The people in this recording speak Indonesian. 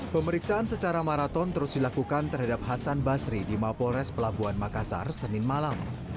pemeriksaan secara maraton terus dilakukan terhadap hasan basri di mapolres pelabuhan makassar senin malam